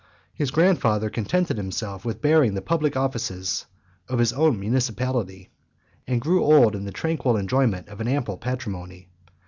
His grandfather contented himself with bearing the public offices of his own municipality, and grew old in the tranquil enjoyment of an ample patrimony.